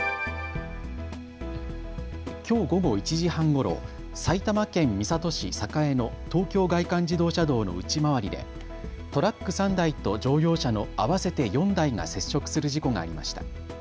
きょう午後１時半ごろ埼玉県三郷市栄の東京外環自動車道の内回りでトラック３台と乗用車の合わせて４台が接触する事故がありました。